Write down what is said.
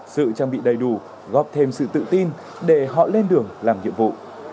sự trang bị đầy đủ góp thêm sự tự tin để họ lên đường làm nhiệm vụ